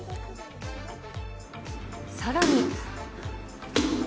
さらに。